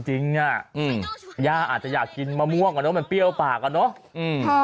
จริงน่ะย่าอาจจะอยากกินมะม่วงกันเนอะมันเปรี้ยวปากกันเนอะ